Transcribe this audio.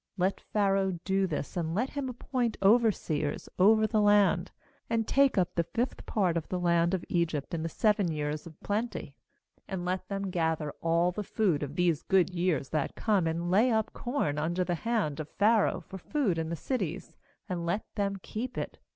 MLet Pharaoh do this, and let him appoint overseers over the land, and take up the fifth part of the land of Egypt in . the seven years of plenty. ^And let them gather all the food of these good years that come, and lay up com under the hand of Pharaoh for food in the cities, and let them keep it.